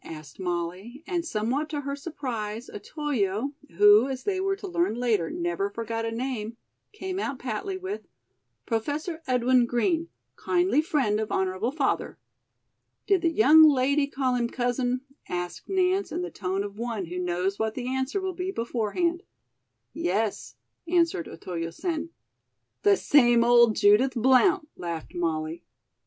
asked Molly; and somewhat to her surprise Otoyo, who, as they were to learn later, never forgot a name, came out patly with: "Professor Edwin Green, kindly friend of honorable father." "Did the young lady call him 'Cousin'?" asked Nance in the tone of one who knows what the answer will be beforehand. "Yes," answered Otoyo Sen. "The same old Judith Blount," laughed Molly.